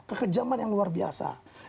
kekejaman yang luar biasa